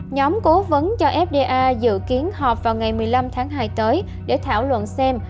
nhóm cố vấn cho fda dự kiến họp vào ngày một mươi năm tháng hai tới để thảo luận xem